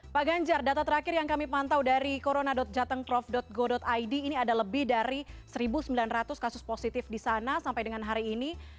pak ganjar data terakhir yang kami pantau dari corona jatengprov go id ini ada lebih dari satu sembilan ratus kasus positif di sana sampai dengan hari ini